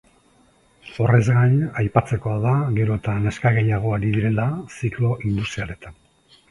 Horrez gain, aipatzekoa da gero eta neska gehiago ari direla ziklo industrialetan.